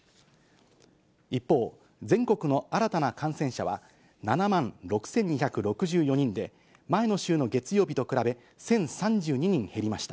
一方、全国の新たな感染者は、７万６２６４人で、前の週の月曜日と比べ、１０３２人減りました。